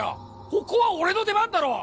ここは俺の出番だろう